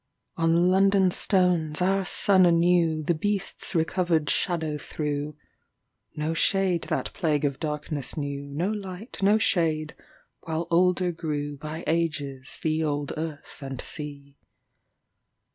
On London stones our sun anewThe beast's recovered shadow threw.(No shade that plague of darkness knew, No light, no shade, while older grewBy ages the old earth and sea.)